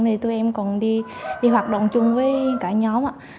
này tụi em còn đi hoạt động chung với cả nhóm ạ